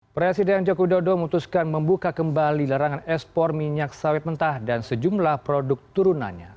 presiden joko widodo memutuskan membuka kembali larangan ekspor minyak sawit mentah dan sejumlah produk turunannya